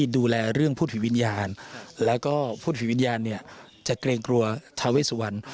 ดูแลเรื่องพุทธวิวิญญาณและพุทธวิวิญญาณจะเกรงกลัวทาวเวสุวรรณ